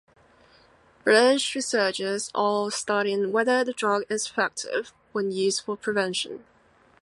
British researchers are studying whether the drug is effective when used for prevention.